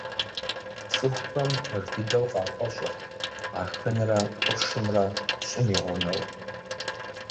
ЦӀыхухэм пэж дыдэу къафӀэщӀырт Ахынрэ къуршымрэ ЩӀым и гъунэу.